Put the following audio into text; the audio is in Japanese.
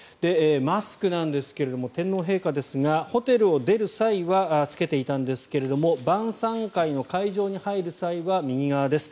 マスクなんですが天皇陛下ですがホテルを出る際は着けていたんですが晩さん会の会場に入る際は右側です